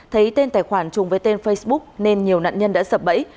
thấy tên tài khoản chung với tên facebook nên nhiều nạn nhân đã sập bẫy